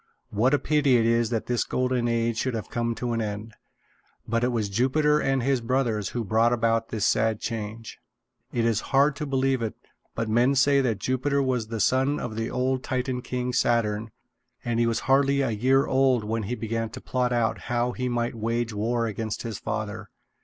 What a pity it is that this Golden Age should have come to an end! But it was Jupiter and his brothers who brought about the sad change. It is hard to believe it, but men say that Jupiter was the son of the old Titan king, Saturn, and that he was hardly a year old when he began to plot how he might wage war against his father.